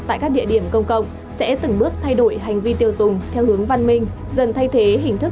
tại các địa điểm công cộng sẽ từng bước thay đổi hành vi tiêu dùng theo hướng văn minh